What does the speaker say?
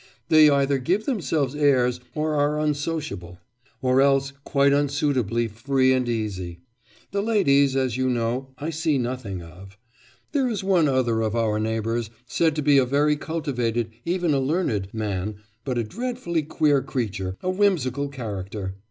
They either give themselves airs or are unsociable, or else quite unsuitably free and easy. The ladies, as you know, I see nothing of. There is one other of our neighbours said to be a very cultivated, even a learned, man, but a dreadfully queer creature, a whimsical character.